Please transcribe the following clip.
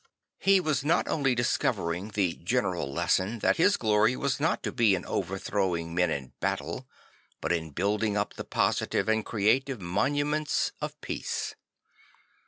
He was not only discovering the general lesson that his glory was not to be in overthrowing men in battle but in building up the positive and creative monuments of Francis the ButÏder 65 peace.